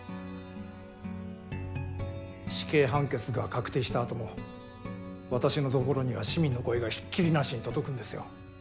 死刑判決が確定したあとも私のところには市民の声がひっきりなしに届くんですよ。